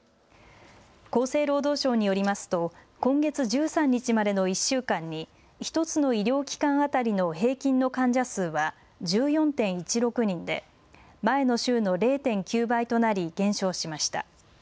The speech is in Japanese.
厚生労働省によりますと今月１３日までの１週間に１つの医療機関当たりの平均の患者数は１４．１６人で前の週の０．９倍となり減少しました。